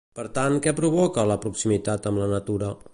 Per tant, què provoca la proximitat amb la natura?